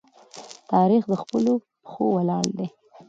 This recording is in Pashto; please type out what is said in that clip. تاریخ د خپلو پښو ولاړ دی.